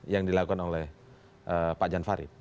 yang dilakukan oleh pak jan farid